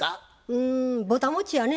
うんぼたもちやね。